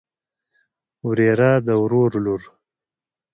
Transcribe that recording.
وريره د ورور لور.